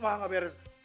wah gak beres